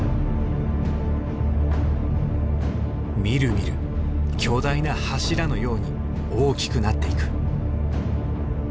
みるみる巨大な柱のように大きくなっていく。